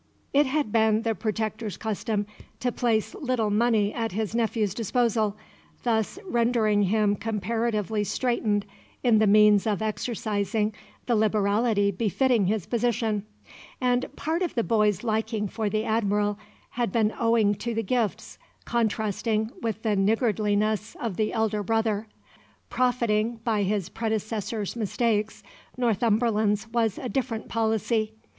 It had been the Protector's custom to place little money at his nephew's disposal, thus rendering him comparatively straitened in the means of exercising the liberality befitting his position; and part of the boy's liking for the Admiral had been owing to the gifts contrasting with the niggardliness of the elder brother. Profiting by his predecessor's mistakes, Northumberland's was a different policy.